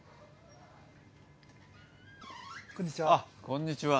こんにちは。